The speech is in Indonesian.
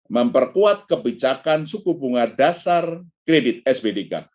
memperkuat kebijakan suku bunga dasar kredit sbdk